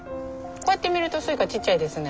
こうやって見るとスイカちっちゃいですね。